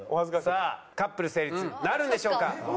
さあカップル成立なるんでしょうか？